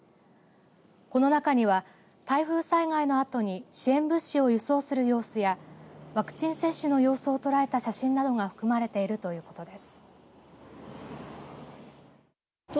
この中には台風災害のあとに支援物資を輸送する様子やワクチン接種の様子を捉えた写真などが含まれているということです。